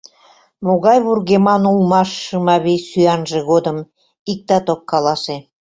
Могай вургеман улмаш Шымавий сӱанже годым — иктат ок каласе.